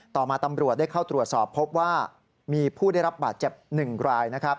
ต่อมาตำรวจได้เข้าตรวจสอบพบว่ามีผู้ได้รับบาดเจ็บ๑รายนะครับ